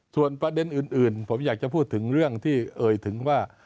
ส่วนประเด็นอื่นผมอยากจะพูดถึงเรื่องที่เอ่ยถึงว่า